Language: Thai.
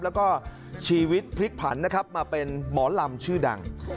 แล้วก็ชีวิตพลิกผันนะครับมาเป็นหมอลำชื่อดัง